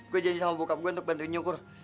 gue janji sama bokap gue untuk bantuin nyokor